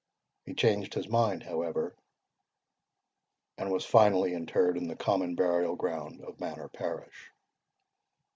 He changed his mind, however, and was finally interred in the common burial ground of Manor parish.